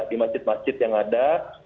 di masjid masjid yang ada